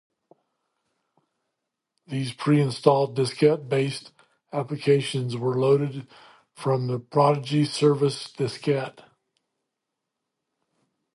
These pre-installed diskette-based applications were loaded from the Prodigy Service diskette.